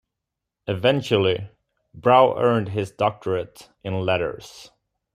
Eventually, Brau earned his Doctorate in Letters.